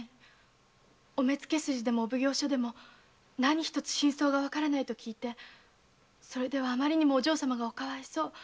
お目付筋でもお奉行所でも何一つ真相がわからないと聞いてそれではあまりにもお嬢様がおかわいそう。